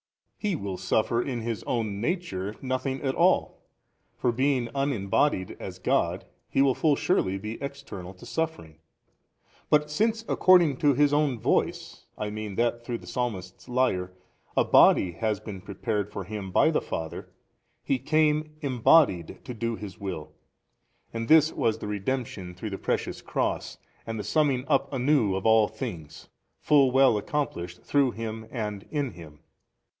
A. He will suffer in His own Nature nothing at all (for being unembodied as God He will full surely be external to suffering), but since according to His own voice, I mean that through the Psalmist's lyre, a body has been prepared for Him by the Father, He came, embodied, to do His Will. And this was the redemption through the Precious |308 Cross and the summing up anew of all things, full well accomplished through Him and in Him.